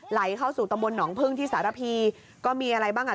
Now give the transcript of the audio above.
ไหลเข้าสู่ตำบลหนองพึ่งที่สารพีก็มีอะไรบ้างอ่ะ